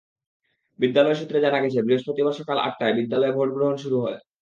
বিদ্যালয় সূত্রে জানা গেছে, বৃহস্পতিবার সকাল আটটায় বিদ্যালয়ে ভোট গ্রহণ শুরু হয়।